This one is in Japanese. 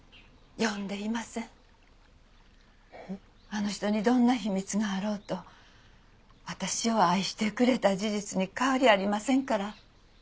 あの人にどんな秘密があろうと私を愛してくれた事実に変わりありませんから。